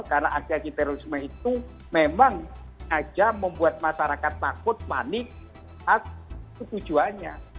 karena aksi aksi terorisme itu memang aja membuat masyarakat terlalu tertarik